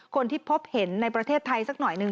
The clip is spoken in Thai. คนที่พบเห็นในประเทศไทยสักหน่อยหนึ่ง